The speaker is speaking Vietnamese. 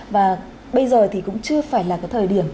và bây giờ thì cũng chưa phải là cái thời điểm